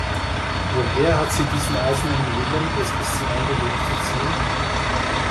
Woher hat sie diesen eisernen Willen, es bis zum Ende durchzuziehen?